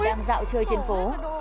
đang dạo chơi trên phố